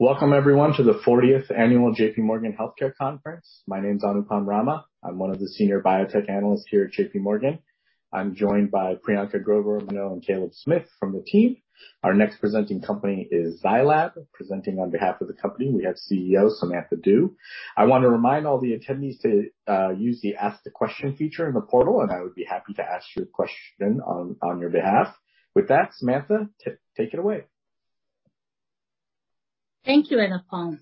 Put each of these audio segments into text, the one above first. Welcome everyone to the 40th annual JPMorgan Healthcare Conference. My name is Anupam Rama. I'm one of the Senior Biotech Analysts here at JPMorgan. I'm joined by Priyanka Grover, Minoo, and Caleb Smith from the team. Our next presenting company is Zai Lab. Presenting on behalf of the company, we have CEO Samantha Du. I want to remind all the attendees to use the ask the question feature in the portal, and I would be happy to ask your question on your behalf. With that, Samantha, take it away. Thank you, Anupam,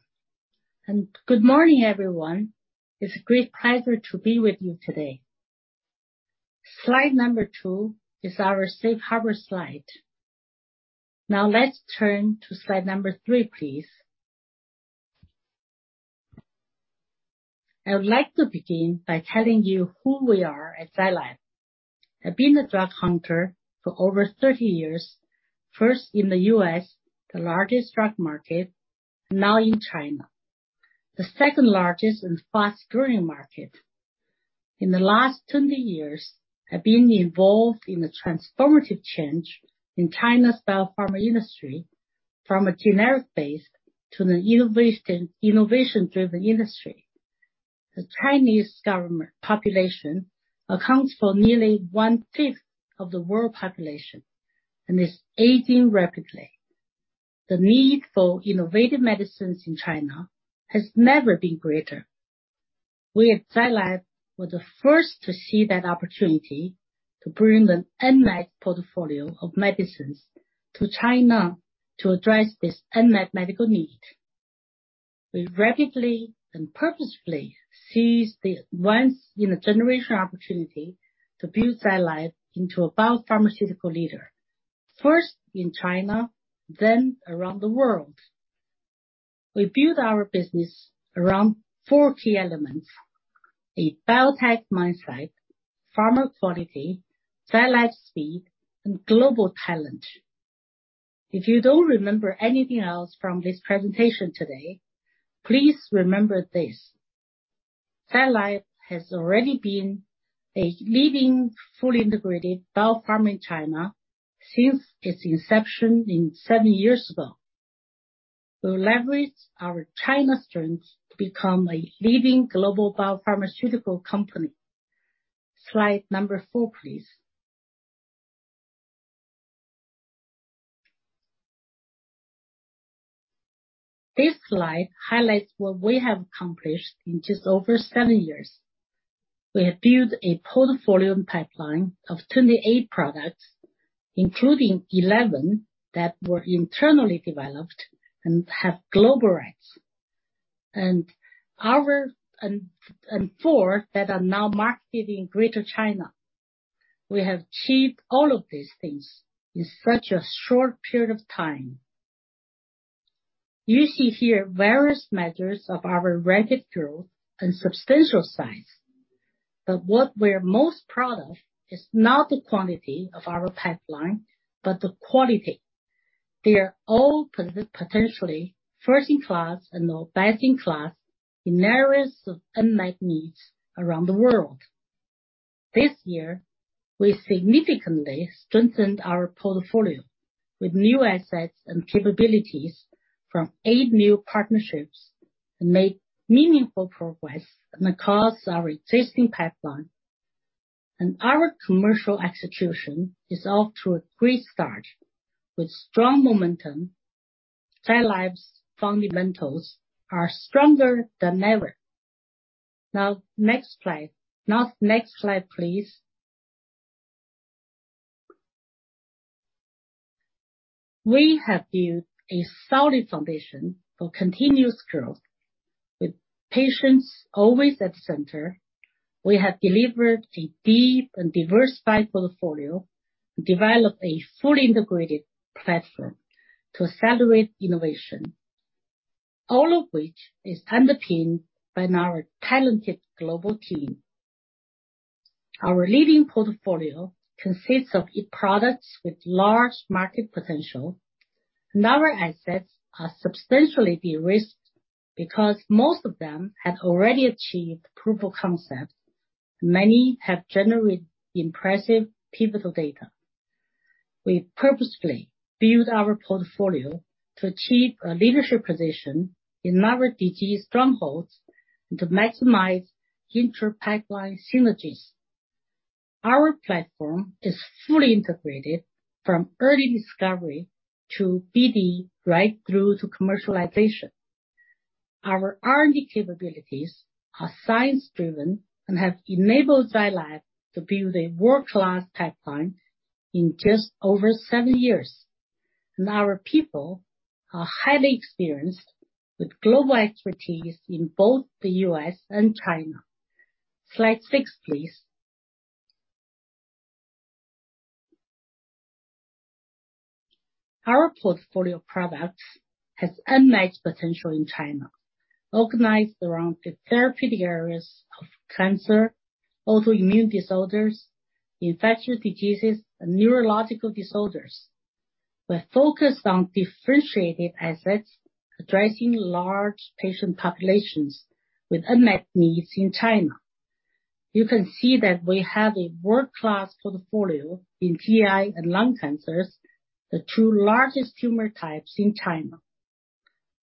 and good morning, everyone. It's a great pleasure to be with you today. Slide number two is our safe harbor slide. Now, let's turn to slide number three, please. I would like to begin by telling you who we are at Zai Lab. I've been a drug hunter for over 30 years, first in the U.S., the largest drug market, now in China, the second-largest and fast-growing market. In the last 20 years, I've been involved in the transformative change in China's biopharma industry from a generic base to an innovation-driven industry. The Chinese population accounts for nearly 1/5 of the world population and is aging rapidly. The need for innovative medicines in China has never been greater. We at Zai Lab were the first to see that opportunity to bring the unmet portfolio of medicines to China to address this unmet medical need. We rapidly and purposefully seized the once-in-a-generation opportunity to build Zai Lab into a biopharmaceutical leader, first in China, then around the world. We build our business around four key elements, a biotech mindset, pharma quality, Zai Lab speed, and global talent. If you don't remember anything else from this presentation today, please remember this. Zai Lab has already been a leading, fully integrated biopharm in China since its inception 7 years ago. We leverage our China strength to become a leading global biopharmaceutical company. Slide number four, please. This slide highlights what we have accomplished in just over 7 years. We have built a portfolio pipeline of 28 products, including 11 that were internally developed and have global rights, and four that are now marketed in Greater China. We have achieved all of these things in such a short period of time. You see here various measures of our rapid growth and substantial size, but what we're most proud of is not the quantity of our pipeline, but the quality. They are all potentially first-in-class and best-in-class in areas of unmet needs around the world. This year, we significantly strengthened our portfolio with new assets and capabilities from eight new partnerships and made meaningful progress across our existing pipeline. Our commercial execution is off to a great start with strong momentum. Zai Lab's fundamentals are stronger than ever. Now, next slide, please. We have built a solid foundation for continuous growth. With patients always at the center, we have delivered a deep and diversified portfolio to develop a fully integrated platform to accelerate innovation, all of which is underpinned by our talented global team. Our leading portfolio consists of e-products with large market potential, and our assets are substantially de-risked because most of them have already achieved proof of concept. Many have generated impressive pivotal data. We purposefully build our portfolio to achieve a leadership position in our disease strongholds and to maximize intra-pipeline synergies. Our platform is fully integrated from early discovery to PD, right through to commercialization. Our R&D capabilities are science-driven and have enabled Zai Lab to build a world-class pipeline in just over seven years. Our people are highly experienced with global expertise in both the U.S. and China. Slide six, please. Our portfolio of products has unmet potential in China, organized around the therapeutic areas of cancer, autoimmune disorders, infectious diseases, and neurological disorders. We're focused on differentiated assets, addressing large patient populations with unmet needs in China. You can see that we have a world-class portfolio in GI and lung cancers, the two largest tumor types in China.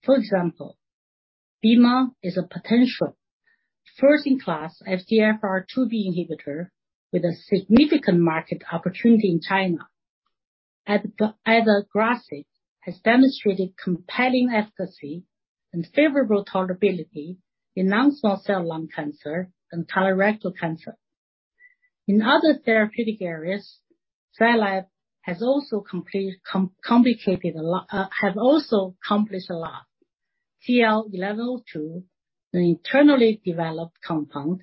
For example, bemarituzumab is a potential first-in-class FGFR2b inhibitor with a significant market opportunity in China. Adagrasib has demonstrated compelling efficacy and favorable tolerability in non-small cell lung cancer and colorectal cancer. In other therapeutic areas, Zai Lab has also accomplished a lot. ZL-1102, an internally developed compound,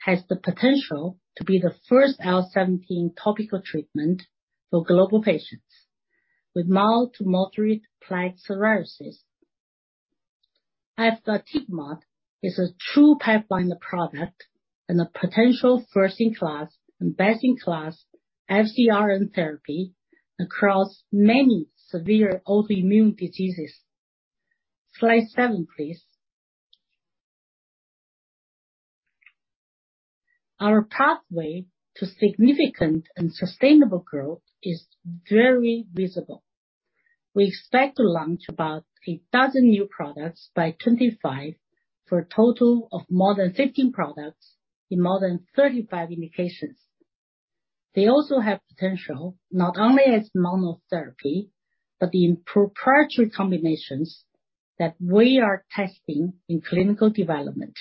has the potential to be the first IL-17 topical treatment for global patients with mild to moderate plaque psoriasis. Efgartigimod is a true pipeline product and a potential first-in-class and best-in-class FcRn therapy across many severe autoimmune diseases. Slide seven, please. Our pathway to significant and sustainable growth is very visible. We expect to launch about 12 new products by 2025 for a total of more than 15 products in more than 35 indications. They also have potential not only as monotherapy, but in proprietary combinations that we are testing in clinical development.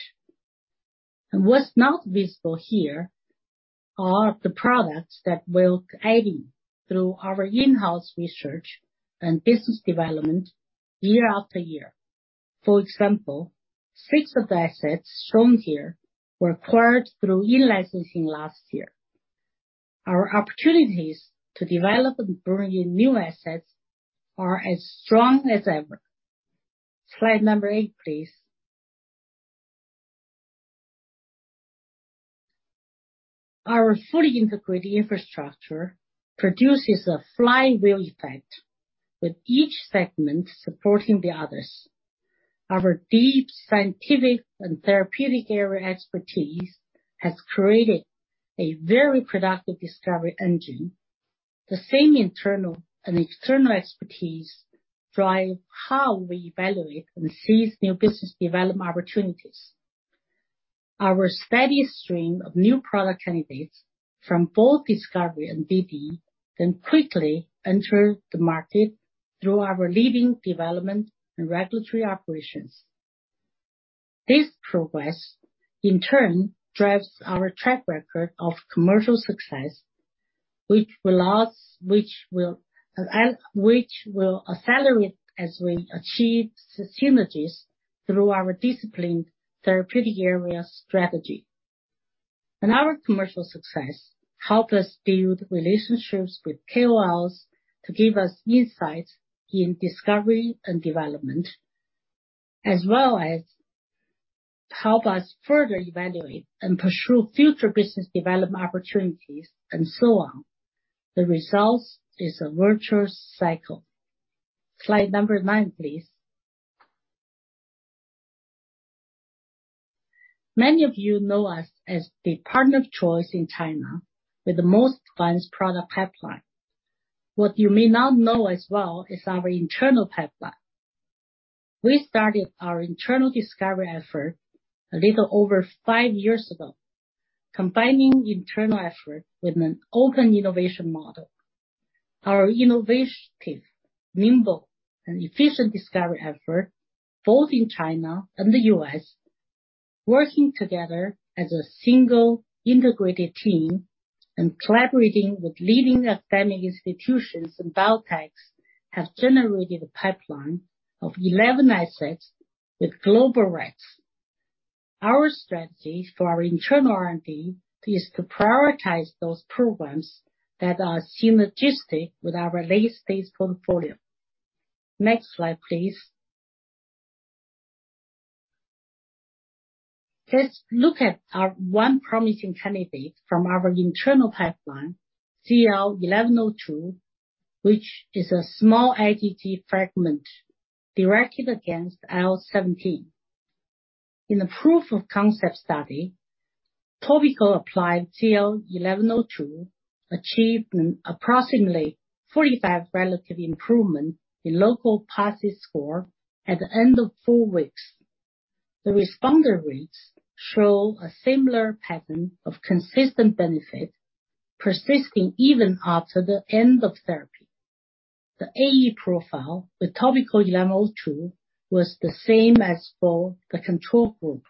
What's not visible here are the products that we're adding through our in-house research and business development year-after-year. For example, six of the assets shown here were acquired through e-licensing last year. Our opportunities to develop and bring in new assets are as strong as ever. Slide number eight, please. Our fully integrated infrastructure produces a flywheel effect, with each segment supporting the others. Our deep scientific and therapeutic area expertise has created a very productive discovery engine. The same internal and external expertise drive how we evaluate and seize new business development opportunities. Our steady stream of new product candidates from both Discovery and DD can quickly enter the market through our leading development and regulatory operations. This progress, in turn, drives our track record of commercial success, which will accelerate as we achieve synergies through our disciplined therapeutic area strategy. Our commercial success help us build relationships with KOLs to give us insight in discovery and development, as well as help us further evaluate and pursue future business development opportunities, and so on. The result is a virtuous cycle. Slide number nine, please. Many of you know us as the partner of choice in China with the most advanced product pipeline. What you may not know as well is our internal pipeline. We started our internal discovery effort a little over five years ago, combining internal effort with an open innovation model. Our innovative, nimble, and efficient discovery effort, both in China and the U.S., working together as a single integrated team and collaborating with leading academic institutions and biotechs, have generated a pipeline of 11 assets with global rights. Our strategy for our internal R&D is to prioritize those programs that are synergistic with our late-stage portfolio. Next slide, please. Let's look at our one promising candidate from our internal pipeline, ZL-1102, which is a small ADT fragment directed against IL-17. In the proof of concept study, topically applied ZL-1102 achieved an approximately 45 relative improvement in local PASI score at the end of four weeks. The responder rates show a similar pattern of consistent benefit, persisting even after the end of therapy. The AE profile with topical 1102 was the same as for the control group.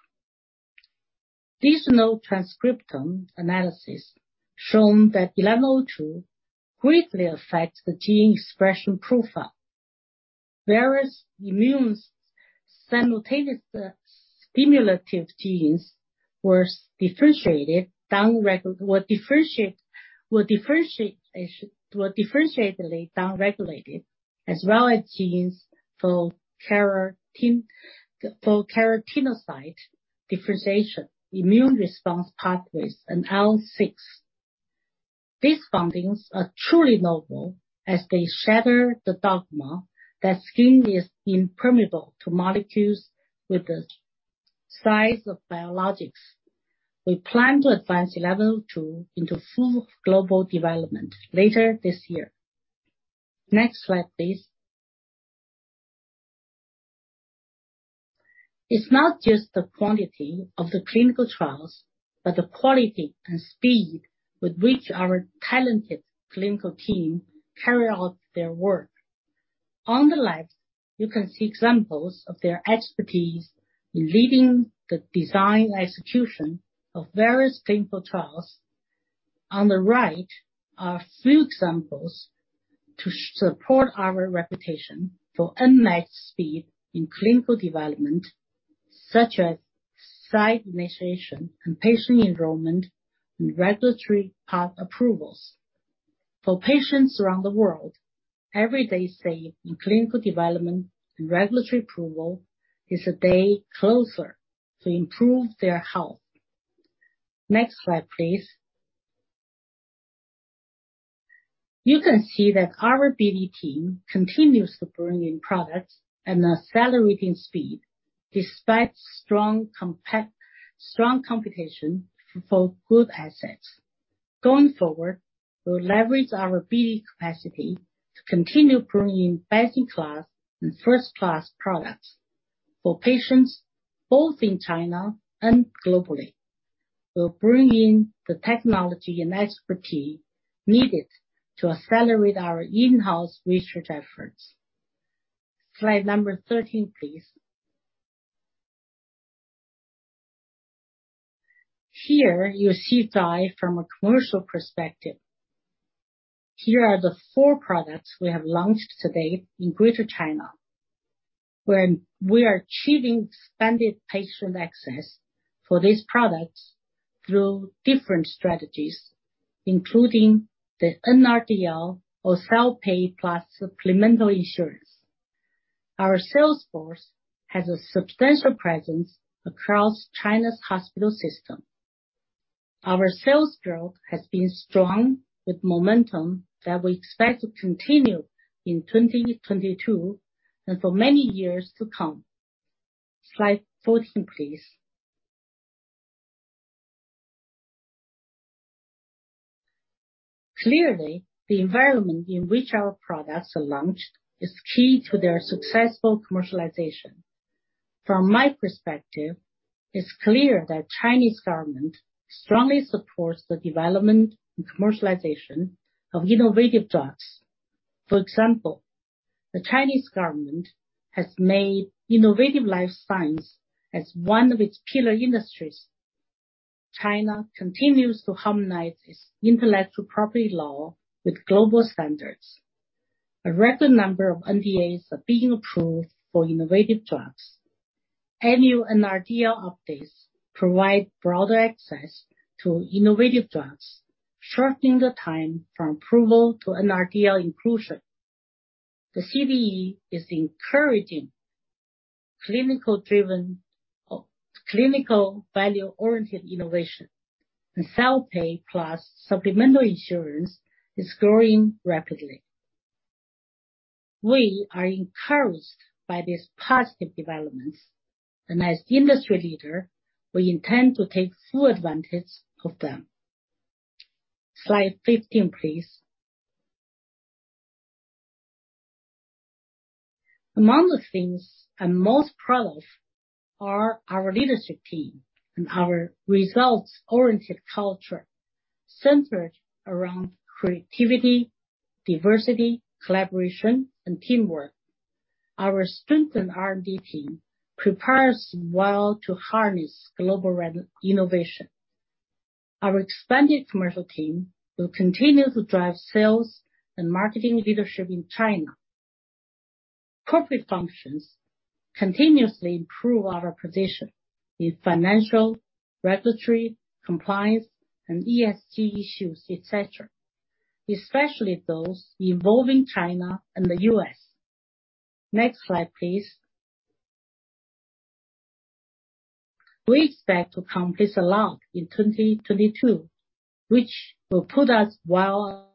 Additional transcriptome analysis shows that 1102 greatly affects the gene expression profile. Various immune stimulatory genes were differentially downregulated as well as genes for keratinocyte differentiation, immune response pathways, and IL-6. These findings are truly novel as they shatter the dogma that skin is impermeable to molecules with the size of biologics. We plan to advance ZL-1102 into full global development later this year. Next slide, please. It's not just the quantity of the clinical trials, but the quality and speed with which our talented clinical team carry out their work. On the left, you can see examples of their expertise in leading the design and execution of various clinical trials. On the right are a few examples to support our reputation for unmatched speed in clinical development, such as site initiation and patient enrollment and regulatory path approvals. For patients around the world, every day they see clinical development and regulatory approval is a day closer to improve their health. Next slide, please. You can see that our BD team continues to bring in products and accelerating speed despite strong competition for good assets. Going forward, we'll leverage our BD capacity to continue bringing best-in-class and first-class products for patients both in China and globally. We'll bring in the technology and expertise needed to accelerate our in-house research efforts. Slide number 13, please. Here, you see data from a commercial perspective. Here are the four products we have launched to date in Greater China, where we are achieving expanded patient access for these products through different strategies, including the NRDL or self-pay plus supplemental insurance. Our sales force has a substantial presence across China's hospital system. Our sales growth has been strong, with momentum that we expect to continue in 2022 and for many years to come. Slide 14, please. Clearly, the environment in which our products are launched is key to their successful commercialization. From my perspective, it's clear that the Chinese government strongly supports the development and commercialization of innovative drugs. For example, the Chinese government has made innovative life science as one of its pillar industries. China continues to harmonize its intellectual property law with global standards. A record number of NDAs are being approved for innovative drugs. Annual NRDL updates provide broader access to innovative drugs, shortening the time from approval to NRDL inclusion. The CDE is encouraging clinical value-oriented innovation, and self-pay plus supplemental insurance is growing rapidly. We are encouraged by these positive developments, and as industry leader, we intend to take full advantage of them. Slide 15, please. Among the things I'm most proud of are our leadership team and our results-oriented culture centered around creativity, diversity, collaboration, and teamwork. Our strengthened R&D team prepares well to harness global innovation. Our expanded commercial team will continue to drive sales and marketing leadership in China. Corporate functions continuously improve our position in financial, regulatory, compliance, and ESG issues, et cetera, especially those involving China and the U.S. Next slide, please. We expect to accomplish a lot in 2022, which will put us well-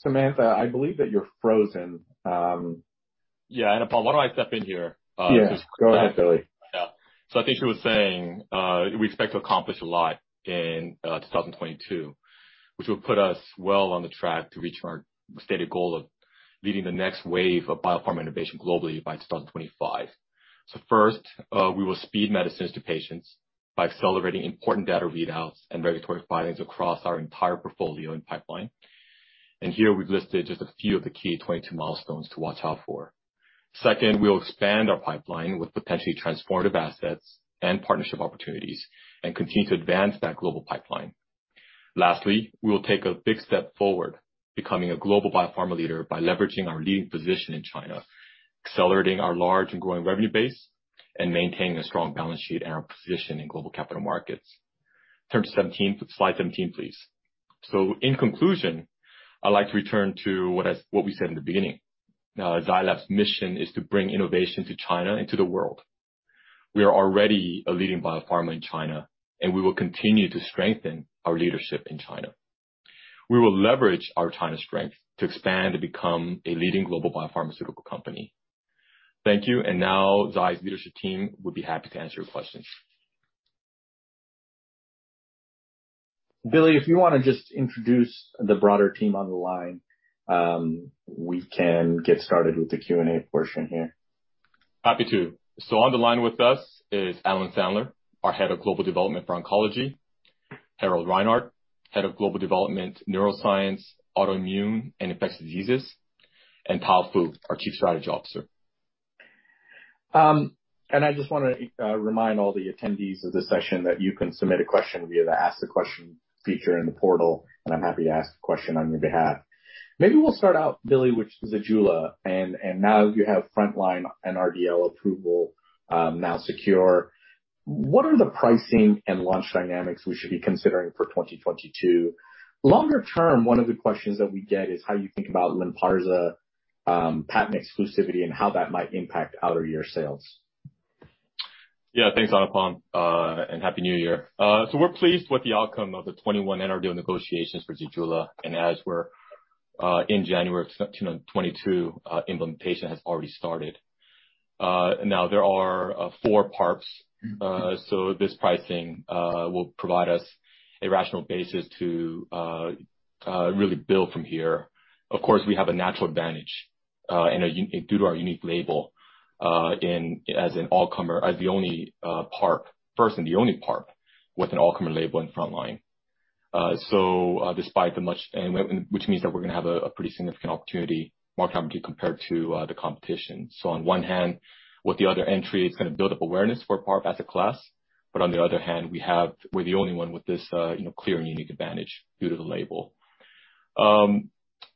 Samantha, I believe that you're frozen. Yeah, Anupam, why don't I step in here, Yeah, go ahead, Billy. I think she was saying we expect to accomplish a lot in 2022, which will put us well on the track to reaching our stated goal of leading the next wave of biopharma innovation globally by 2025. First, we will speed medicines to patients by accelerating important data readouts and regulatory filings across our entire portfolio and pipeline. Here we've listed just a few of the key 2022 milestones to watch out for. Second, we'll expand our pipeline with potentially transformative assets and partnership opportunities and continue to advance that global pipeline. Lastly, we will take a big step forward, becoming a global biopharma leader by leveraging our leading position in China, accelerating our large and growing revenue base, and maintaining a strong balance sheet and our position in global capital markets. Turn to 17. Slide 17, please. In conclusion, I'd like to return to what we said in the beginning. Zai Lab's mission is to bring innovation to China and to the world. We are already a leading biopharma in China, and we will continue to strengthen our leadership in China. We will leverage our China strength to expand and become a leading global biopharmaceutical company. Thank you. Now Zai's leadership team would be happy to answer your questions. Billy, if you wanna just introduce the broader team on the line, we can get started with the Q&A portion here. Happy to. On the line with us is Alan Sandler, our Head of Global Development for Oncology. Harald Reinhart, Head of Global Development, Neuroscience, Autoimmune, and Infectious Diseases. Paul Fu, our Chief Strategy Officer. I just wanna remind all the attendees of this session that you can submit a question via the Ask a Question feature in the portal, and I'm happy to ask the question on your behalf. Maybe we'll start out, Billy, with ZEJULA, and now you have frontline and NRDL approval, now secure. What are the pricing and launch dynamics we should be considering for 2022? Longer term, one of the questions that we get is how you think about LYNPARZA, patent exclusivity and how that might impact on your sales. Yeah. Thanks, Anupam. And Happy New Year. We're pleased with the outcome of the 2021 NRDL negotiations for ZEJULA. As we're in January 2022, implementation has already started. Now there are four PARPs, so this pricing will provide us a rational basis to really build from here. Of course, we have a natural advantage due to our unique label, in as an all-comer, as the only PARP, first and the only PARP with an all-comer label in frontline. So despite the much, which means that we're gonna have a pretty significant opportunity, market opportunity compared to the competition. On one hand, with the other entry, it's gonna build up awareness for PARP as a class, but on the other hand, we're the only one with this, you know, clear and unique advantage due to the label.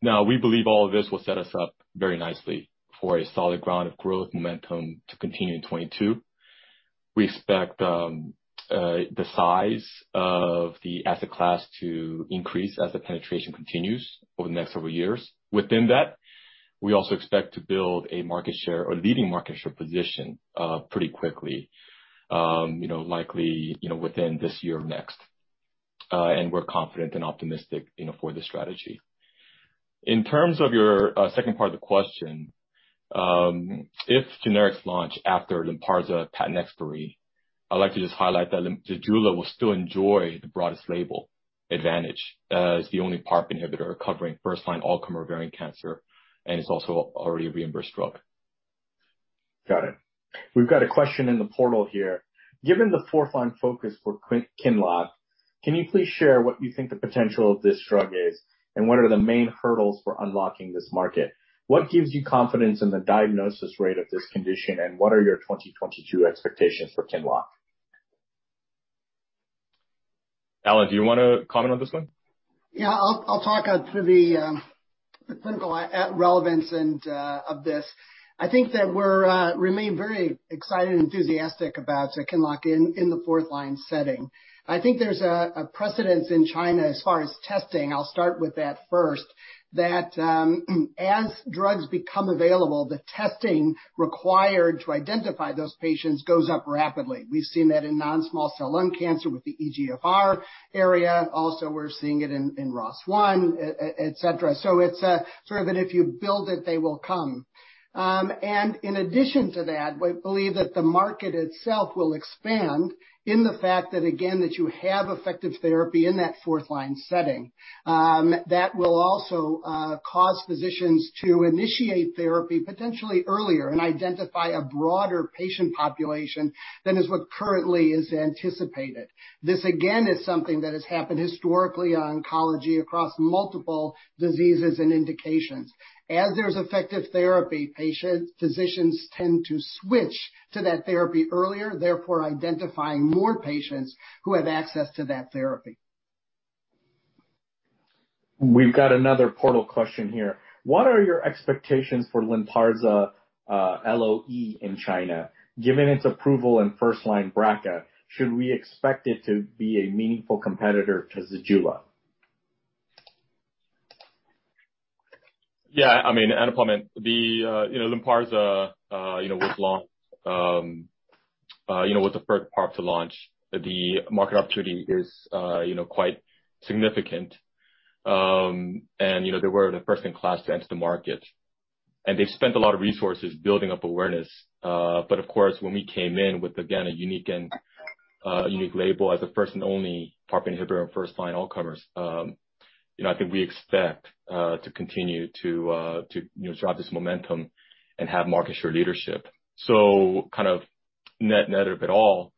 Now we believe all of this will set us up very nicely for a solid ground of growth momentum to continue in 2022. We expect the size of the asset class to increase as the penetration continues over the next several years. Within that, we also expect to build a market share or leading market share position pretty quickly, you know, likely, you know, within this year or next. We're confident and optimistic, you know, for the strategy. In terms of your second part of the question, if generics launch after LYNPARZA patent expiry, I'd like to just highlight that ZEJULA will still enjoy the broadest label advantage, as the only PARP inhibitor covering first line all-comer ovarian cancer, and it's also already a reimbursed drug. Got it. We've got a question in the portal here. Given the fourth-line focus for QINLOCK, can you please share what you think the potential of this drug is, and what are the main hurdles for unlocking this market? What gives you confidence in the diagnosis rate of this condition, and what are your 2022 expectations for QINLOCK? Alan, do you wanna comment on this one? I'll talk about the clinical relevance of this. I think that we remain very excited and enthusiastic about QINLOCK in the fourth-line setting. I think there's a precedent in China as far as testing. I'll start with that first, that as drugs become available, the testing required to identify those patients goes up rapidly. We've seen that in non-small cell lung cancer with the EGFR era. Also, we're seeing it in ROS1, et cetera. It's sort of that if you build it, they will come. In addition to that, we believe that the market itself will expand in the fact that, again, that you have effective therapy in that fourth line setting, that will also cause physicians to initiate therapy potentially earlier and identify a broader patient population than is what currently is anticipated. This, again, is something that has happened historically in oncology across multiple diseases and indications. As there's effective therapy, patients, physicians tend to switch to that therapy earlier, therefore identifying more patients who have access to that therapy. We've got another portal question here. What are your expectations for LYNPARZA LOE in China? Given its approval in first-line breast, should we expect it to be a meaningful competitor to ZEJULA? Yeah. I mean, Anupam, the, you know, LYNPARZA, you know, was launched, you know, with the first PARP to launch. The market opportunity is, you know, quite significant. You know, they were the first in class to enter the market. They've spent a lot of resources building up awareness. But of course, when we came in with, again, a unique label as the first and only PARP inhibitor in first line all-comers, you know, I think we expect to continue to you know, drive this momentum and have market share leadership. Kind of net net of it all,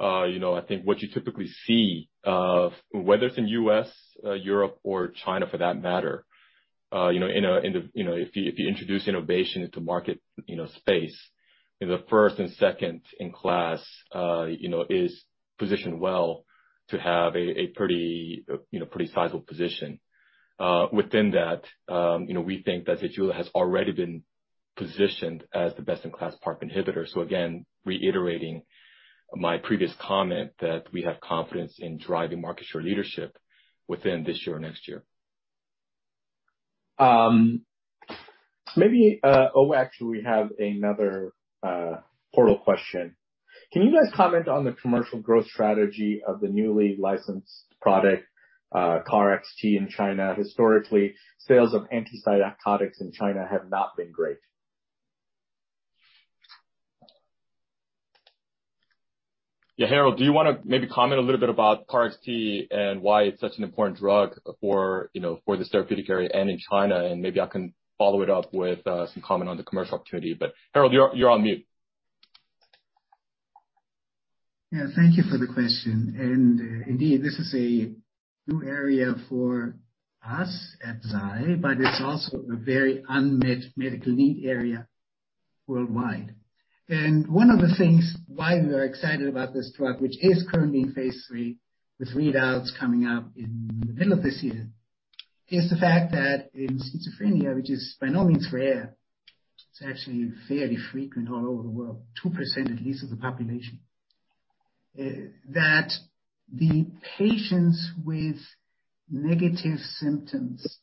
you know, I think what you typically see, whether it's in U.S., Europe or China for that matter, you know, in the, you know, if you introduce innovation into market space, you know, the first and second in class is positioned well to have a pretty sizable position. Within that, you know, we think that ZEJULA has already been positioned as the best-in-class PARP inhibitor. Again, reiterating my previous comment that we have confidence in driving market share leadership within this year or next year. Maybe, oh, actually, we have another portal question. Can you guys comment on the commercial growth strategy of the newly licensed product, KarXT in China? Historically, sales of antipsychotics in China have not been great. Yeah, Harald, do you wanna maybe comment a little bit about KarXT and why it's such an important drug for, you know, for this therapeutic area and in China? And maybe I can follow it up with some comment on the commercial opportunity. Harald, you're on mute. Yeah. Thank you for the question. Indeed, this is a new area for us at Zai, but it's also a very unmet medical need area worldwide. One of the things why we are excited about this drug, which is currently in phase III, with readouts coming out in the middle of this year, is the fact that in schizophrenia, which is by no means rare, it's actually fairly frequent all over the world, 2% at least of the population, that the patients with negative symptoms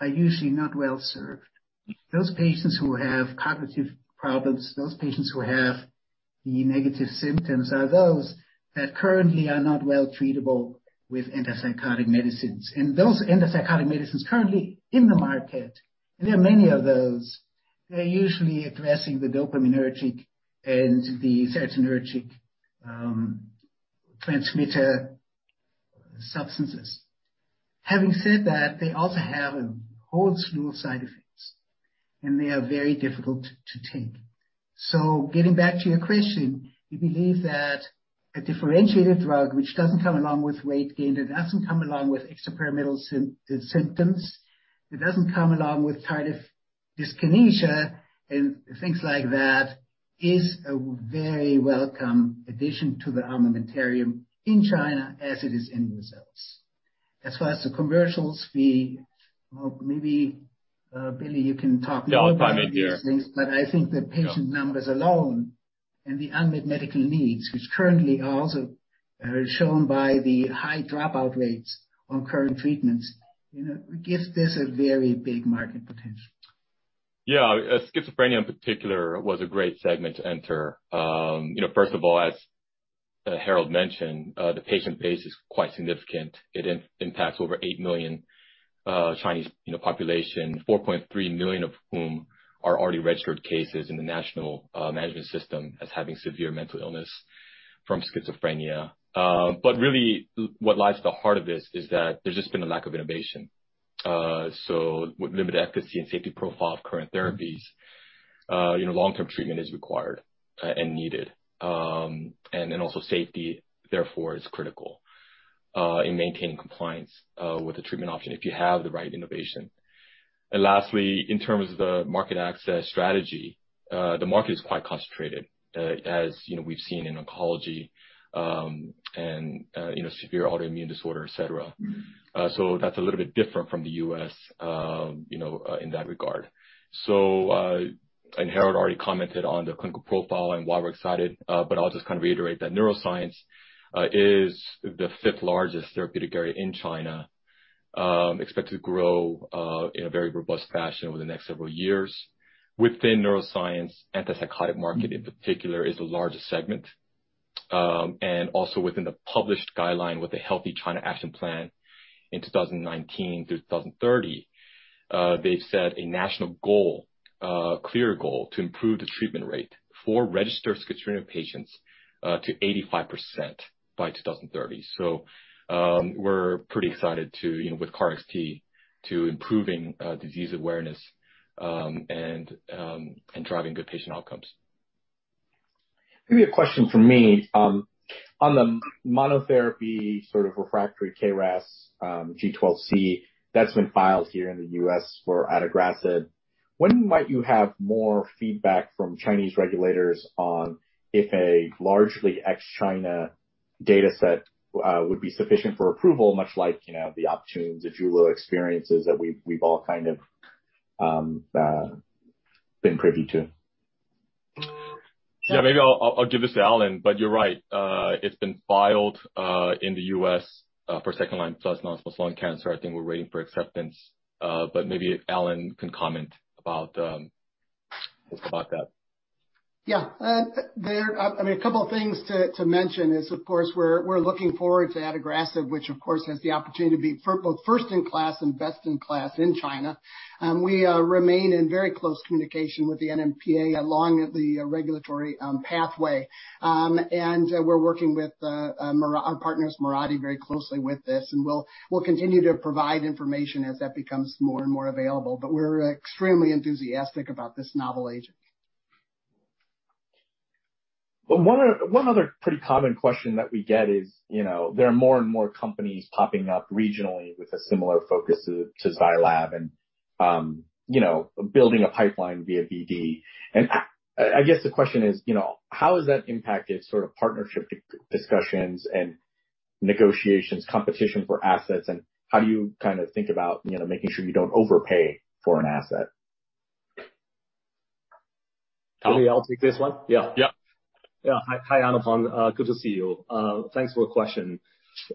are usually not well served. Those patients who have cognitive problems, those patients who have the negative symptoms, are those that currently are not well treatable with antipsychotic medicines. Those antipsychotic medicines currently in the market, and there are many of those, they're usually addressing the dopaminergic and the serotonergic transmitter substances. Having said that, they also have a whole slew of side effects, and they are very difficult to take. Getting back to your question, we believe that a differentiated drug, which doesn't come along with weight gain, that doesn't come along with extrapyramidal symptoms, it doesn't come along with tardive dyskinesia and things like that, is a very welcome addition to the armamentarium in China as it is in the West. As far as the commercial side, well, maybe, Billy, you can talk more about these things. Yeah, I'll chime in here. I think the patient numbers alone and the unmet medical needs, which currently are also shown by the high dropout rates on current treatments, you know, gives this a very big market potential. Yeah. Schizophrenia in particular was a great segment to enter. You know, first of all, as Harald mentioned, the patient base is quite significant. It impacts over 8 million Chinese population, 4.3 million of whom are already registered cases in the national management system as having severe mental illness from schizophrenia. Really, what lies at the heart of this is that there's just been a lack of innovation. With limited efficacy and safety profile of current therapies, you know, long-term treatment is required and needed. Then also safety, therefore, is critical in maintaining compliance with the treatment option if you have the right innovation. Lastly, in terms of the market access strategy, the market is quite concentrated, as, you know, we've seen in oncology, and, you know, severe autoimmune disorder, et cetera. That's a little bit different from the U.S., you know, in that regard. Harald already commented on the clinical profile and why we're excited, but I'll just kind of reiterate that neuroscience is the fifth-largest therapeutic area in China, expected to grow in a very robust fashion over the next several years. Within neuroscience, antipsychotic market in particular is the largest segment. Also within the published guideline with the Healthy China Action Plan in 2019 through 2030, they've set a national goal, a clear goal, to improve the treatment rate for registered schizophrenia patients to 85% by 2030. We're pretty excited to, you know, with KarXT to improving disease awareness and driving good patient outcomes. Maybe a question from me. On the monotherapy sort of refractory KRAS, G12C, that's been filed here in the U.S. for adagrasib. When might you have more feedback from Chinese regulators on if a largely ex-China data set would be sufficient for approval, much like, you know, the Optune, ZEJULA experiences that we've all kind of been privy to? Yeah, maybe I'll give this to Alan. You're right. It's been filed in the U.S. for second line plus non-small cell lung cancer. I think we're waiting for acceptance. Maybe Alan can comment about just about that. Yeah. There, I mean, a couple of things to mention is, of course, we're looking forward to adagrasib, which, of course, has the opportunity to be both first in class and best in class in China. We remain in very close communication with the NMPA along the regulatory pathway. We're working with our partners, Mirati, very closely with this, and we'll continue to provide information as that becomes more and more available. We're extremely enthusiastic about this novel agent. One other pretty common question that we get is, you know, there are more and more companies popping up regionally with a similar focus to Zai Lab and, you know, building a pipeline via BD. I guess the question is, you know, how has that impacted sort of partnership discussions and negotiations, competition for assets, and how do you kind of think about, you know, making sure you don't overpay for an asset? Maybe I'll take this one. Yeah. Yeah. Yeah. Hi, Anupam. Good to see you. Thanks for the question.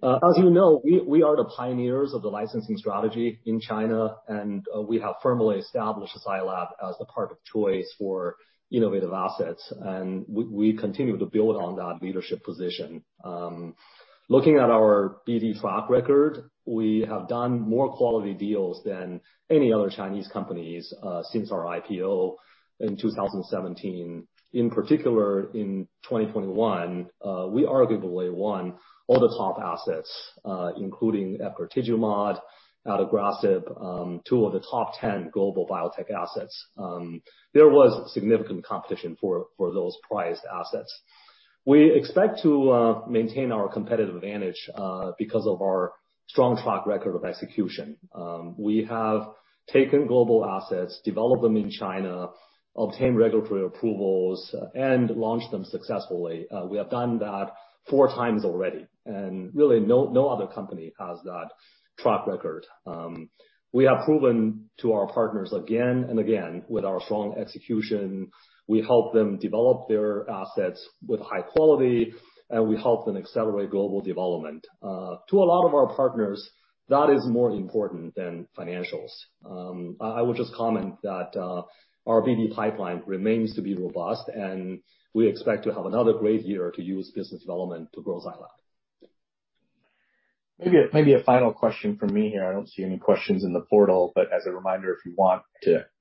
As you know, we are the pioneers of the licensing strategy in China, and we have firmly established Zai Lab as the partner of choice for innovative assets, and we continue to build on that leadership position. Looking at our BD track record, we have done more quality deals than any other Chinese companies since our IPO in 2017. In particular, in 2021, we arguably won all the top assets, including efgartigimod, adagrasib, two of the top 10 global biotech assets. There was significant competition for those prized assets. We expect to maintain our competitive advantage because of our strong track record of execution. We have taken global assets, developed them in China, obtained regulatory approvals, and launched them successfully. We have done that 4x already, and really no other company has that track record. We have proven to our partners again and again with our strong execution, we help them develop their assets with high quality, and we help them accelerate global development. To a lot of our partners, that is more important than financials. I would just comment that our BD pipeline remains to be robust and we expect to have another great year to use business development to grow Zai Lab. Maybe a final question from me here. I don't see any questions in the portal, but as a reminder, if you want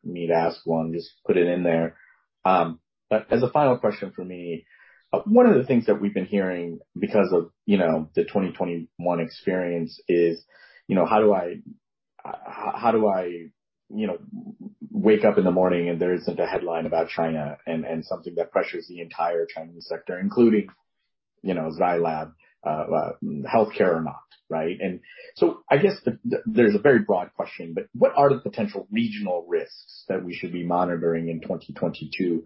me to ask one, just put it in there. As a final question from me, one of the things that we've been hearing because of, you know, the 2021 experience is, you know, how do I wake up in the morning and there isn't a headline about China and something that pressures the entire Chinese sector, including, you know, Zai Lab, healthcare or not, right? I guess there's a very broad question, but what are the potential regional risks that we should be monitoring in 2022,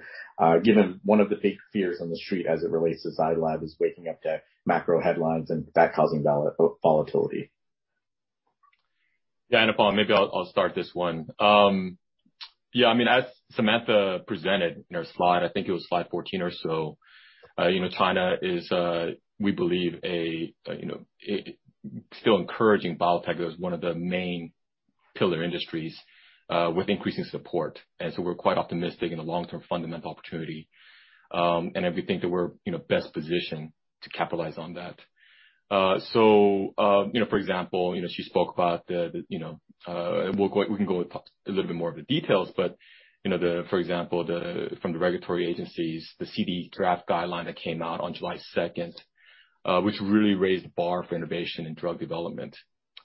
given one of the big fears on the street as it relates to Zai Lab is waking up to macro headlines and that causing volatility? Yeah, Anupam, maybe I'll start this one. Yeah, I mean, as Samantha presented in her slide, I think it was slide 14 or so, you know, China is, we believe, you know, it still encouraging biotech as one of the main pillar industries, with increasing support. We're quite optimistic in the long-term fundamental opportunity, and we think that we're, you know, best positioned to capitalize on that. You know, for example, you know, she spoke about the. We can go a little bit more of the details, but for example, from the regulatory agencies, the CDE draft guideline that came out on July second, which really raised the bar for innovation in drug development.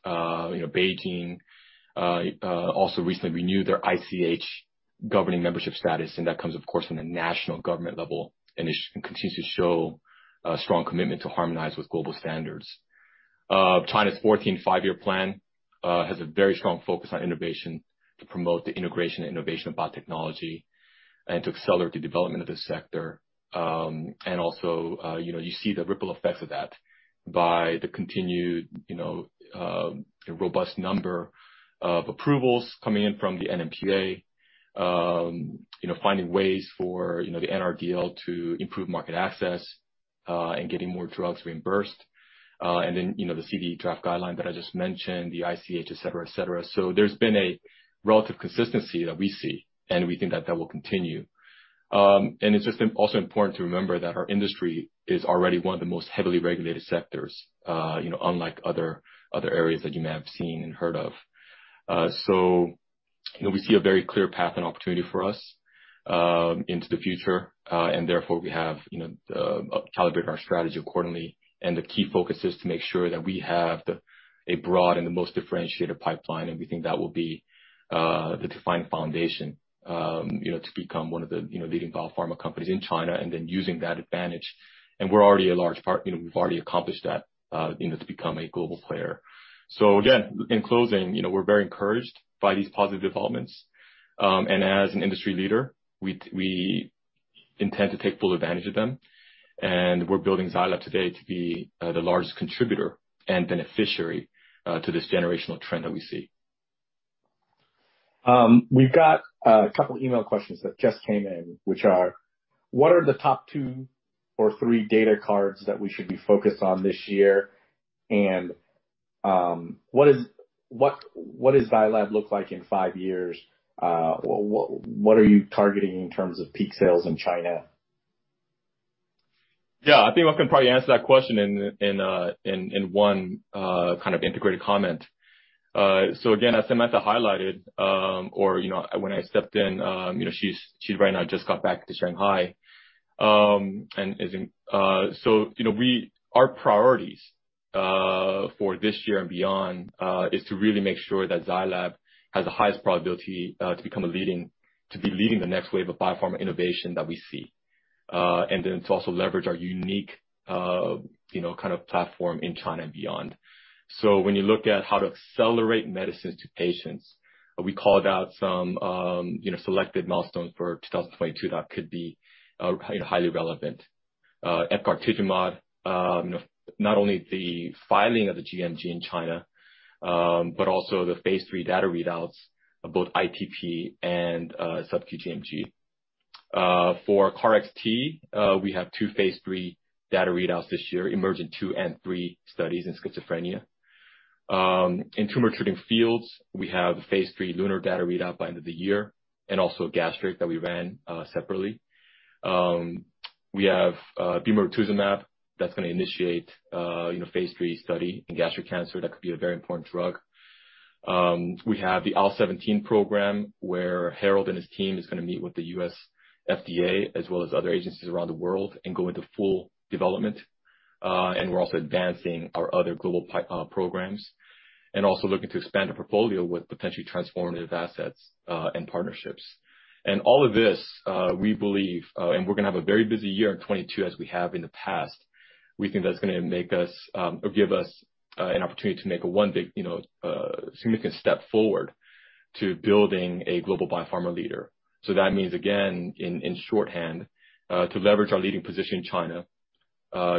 You know, Beijing also recently renewed their ICH governing membership status, and that comes, of course, from the national government level and continues to show a strong commitment to harmonize with global standards. China's 14th Five-Year Plan has a very strong focus on innovation to promote the integration and innovation of biotechnology and to accelerate the development of this sector. Also, you know, you see the ripple effects of that by the continued, you know, robust number of approvals coming in from the NMPA, you know, finding ways for, you know, the NRDL to improve market access, and getting more drugs reimbursed. Then, you know, the CDE draft guideline that I just mentioned, the ICH, et cetera, et cetera. There's been a relative consistency that we see, and we think that that will continue. It's also important to remember that our industry is already one of the most heavily regulated sectors, you know, unlike other areas that you may have seen and heard of. You know, we see a very clear path and opportunity for us into the future and therefore we have you know calibrated our strategy accordingly. The key focus is to make sure that we have a broad and the most differentiated pipeline, and we think that will be the defined foundation you know to become one of the leading biopharma companies in China and then using that advantage. We're already a large part you know we've already accomplished that you know to become a global player. Again, in closing, you know, we're very encouraged by these positive developments. As an industry leader, we intend to take full advantage of them. We're building Zai Lab today to be the largest contributor and beneficiary to this generational trend that we see. We've got a couple email questions that just came in, which are: What are the top two or three data cards that we should be focused on this year? What does Zai Lab look like in five years? What are you targeting in terms of peak sales in China? Yeah, I think I can probably answer that question in one kind of integrated comment. Again, as Samantha highlighted, or you know, when I stepped in, you know, she right now just got back to Shanghai. Our priorities for this year and beyond is to really make sure that Zai Lab has the highest probability to be leading the next wave of biopharma innovation that we see. Then to also leverage our unique, you know, kind of platform in China and beyond. When you look at how to accelerate medicines to patients, we called out some, you know, selected milestones for 2022 that could be highly relevant. Efgartigimod, not only the filing of the gMG in China, but also the phase III data readouts of both ITP and sub-gMG. For KarXT, we have two phase III data readouts this year, EMERGENT-2 and EMERGENT-3 studies in schizophrenia. In Tumor Treating Fields, we have phase III LUNAR data readout by end of the year and also gastric that we ran separately. We have bemarituzumab that's gonna initiate, you know, phase III study in gastric cancer. That could be a very important drug. We have the IL-17 program, where Harald and his team is gonna meet with the U.S. FDA as well as other agencies around the world and go into full development. We're also advancing our other global programs and also looking to expand the portfolio with potentially transformative assets and partnerships. All of this, we believe, and we're gonna have a very busy year in 2022 as we have in the past. We think that's gonna make us or give us an opportunity to make one big, you know, significant step forward to building a global biopharma leader. That means, again, in shorthand, to leverage our leading position in China,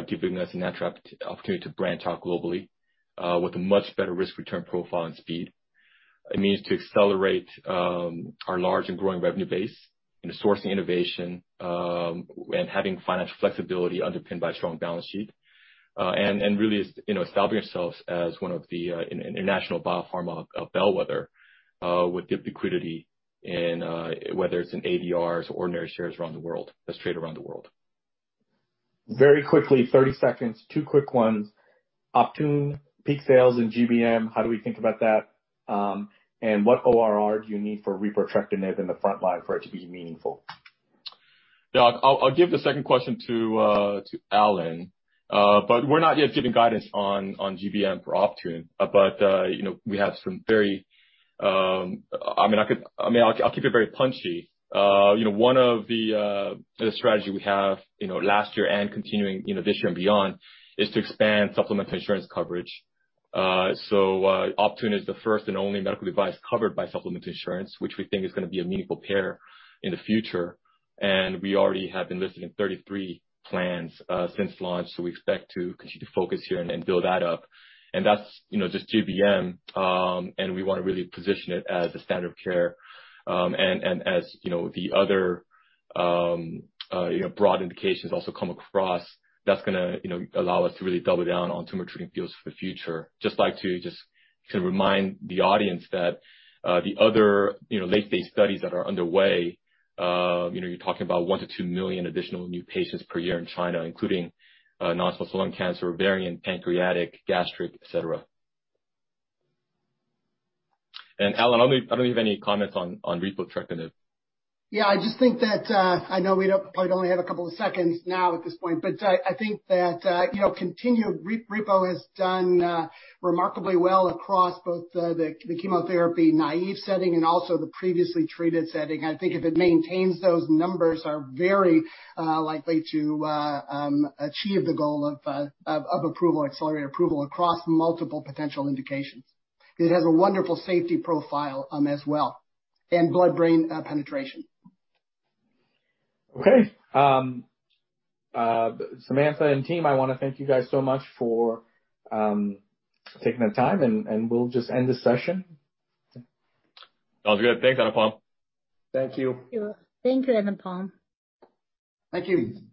giving us a natural opportunity to branch out globally with a much better risk return profile and speed. It means to accelerate our large and growing revenue base and sourcing innovation and having financial flexibility underpinned by a strong balance sheet. really is, you know, establishing ourselves as one of the international biopharma bellwether with good liquidity and whether it's in ADRs or ordinary shares around the world, that trade around the world. Very quickly, 30 seconds, two quick ones. Optune peak sales and GBM, how do we think about that? What ORR do you need for repotrectinib in the front line for it to be meaningful? Yeah. I'll give the second question to Alan. We're not yet giving guidance on GBM for Optune. You know, we have some very I mean, I'll keep it very punchy. You know, one of the strategy we have, you know, last year and continuing, you know, this year and beyond, is to expand supplementary insurance coverage. Optune is the first and only medical device covered by supplementary insurance, which we think is gonna be a meaningful payer in the future. We already have been listed in 33 plans since launch. We expect to continue to focus here and build that up. That's you know, just GBM, and we wanna really position it as the standard of care. As you know, the other, you know, broad indications also come across, that's gonna, you know, allow us to really double down on Tumor Treating Fields for the future. Just like to remind the audience that the other, you know, late-phase studies that are underway, you know, you're talking about 1 million-2 million additional new patients per year in China, including non-small cell lung cancer, ovarian, pancreatic, gastric, et cetera. Alan, I don't have any comments on repotrectinib. Yeah, I just think that I know we probably only have a couple of seconds now at this point, but I think that you know continued repotrectinib has done remarkably well across both the chemotherapy-naive setting and also the previously treated setting. I think if it maintains those numbers we're very likely to achieve the goal of approval, accelerated approval across multiple potential indications. It has a wonderful safety profile as well, and blood-brain penetration. Okay. Samantha and team, I wanna thank you guys so much for taking the time, and we'll just end the session. Sounds good. Thanks, Anupam. Thank you. Thank you, Anupam. Thank you.